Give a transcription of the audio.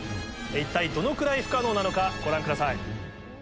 一体どのくらい不可能なのかご覧ください。